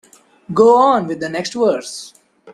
Go on with the next verse.